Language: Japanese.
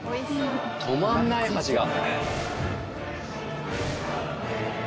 止まんない箸が。